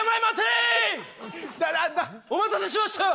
お待たせしました！